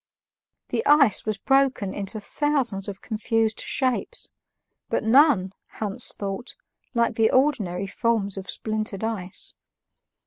The ice was broken into thousands of confused shapes, but none, Hans thought, like the ordinary forms of splintered ice.